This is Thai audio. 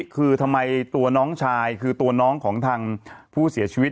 คือทำไมตัวน้องชายคือตัวน้องของทางผู้เสียชีวิต